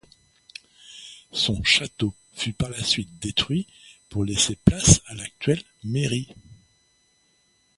Son château fut par la suite détruit pour laisser place à l’actuelle mairie.